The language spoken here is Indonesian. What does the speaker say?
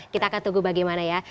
kita akan tunggu bagaimana ya